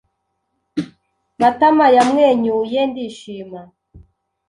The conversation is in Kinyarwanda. Matama yamwenyuye ndishima